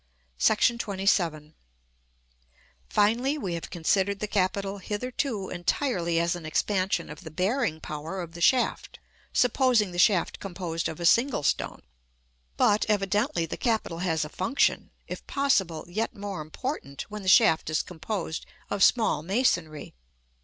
§ XXVII. Finally, we have considered the capital hitherto entirely as an expansion of the bearing power of the shaft, supposing the shaft composed of a single stone. But, evidently, the capital has a function, if possible, yet more important, when the shaft is composed of small masonry.